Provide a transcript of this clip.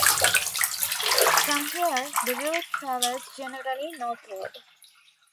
From here the route travels generally northward.